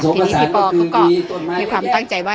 ทีนี้พี่ปอเขาก็มีความตั้งใจว่า